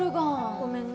ごめんな。